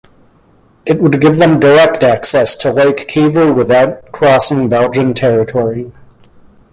It would give them direct access to Lake Kivu without crossing Belgian territory.